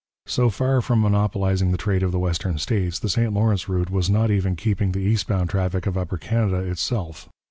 So far from monopolizing the trade of the western states, the St Lawrence route Was not even keeping the east bound traffic of Upper Canada itself.